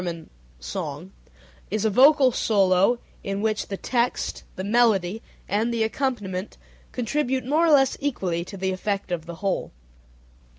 = song) is a vocal solo in which the text, the melody, and the accompaniment contribute more or less equally to the effect of the whole.